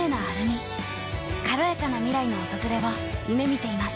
軽やかな未来の訪れを夢みています。